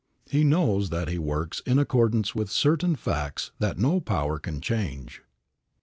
He knows that he works in accordance with certain facts that no power can change.